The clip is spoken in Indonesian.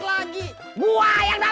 kolay provinnya ada